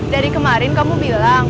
dari kemarin kamu bilang